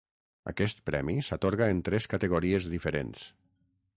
Aquest premi s'atorga en tres categories diferents.